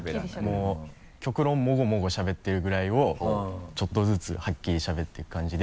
極論もごもごしゃべってるぐらいをちょっとずつはっきりしゃべっていく感じで。